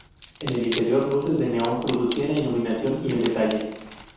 En el interior, luces de neón producían la iluminación y el detalle.